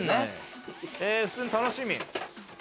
普通に楽しみ！